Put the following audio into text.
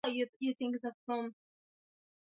kutunga kamusi na sarufi za kwanza pamoja na